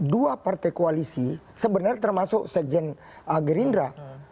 dua partai koalisi sebenarnya termasuk sekjen gerindra